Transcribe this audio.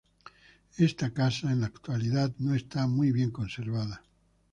Esta casa en la actualidad no está muy bien conservada.